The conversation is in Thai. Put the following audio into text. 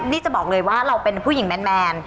นี่จะบอกเลยว่าเราเป็นผู้หญิงแมน